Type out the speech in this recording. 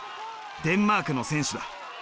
デンマークの選手だ。